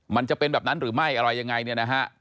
มันจะเป็นแบบนั้นหรือไม่อะไรยังไงเนี่ยนะฮะ